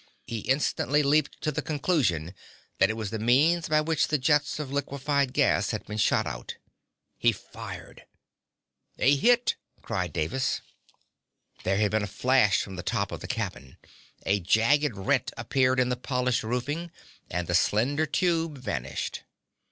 He instantly leaped to the conclusion that it was the means by which the jets of liquified gas had been shot out. He fired. "A hit!" cried Davis. There had been a flash from the top of the cabin. A jagged rent appeared in the polished roofing, and the slender tube vanished.